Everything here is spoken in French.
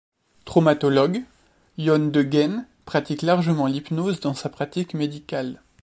Traumatologue, Ion Degen pratique largement l'hypnose dans sa pratique médicale.